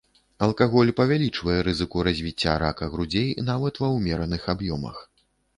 Алкаголь павялічвае рызыку развіцця рака грудзей нават ва ўмераных аб'ёмах.